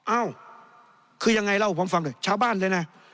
อ้าวคือยังไงแล้วผมฟังเลยชาวบ้านเลยนะ